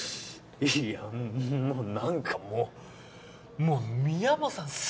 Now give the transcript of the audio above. いやもう何かもうもう宮本さん